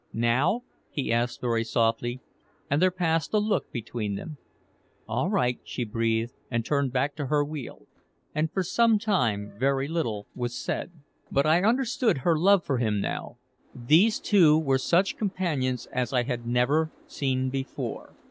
"Now?" he asked very softly. And there passed a look between them. "All right," she breathed, and turned back to her wheel. And for some time very little was said. But I understood her love for him now. These two were such companions as I had never seen before.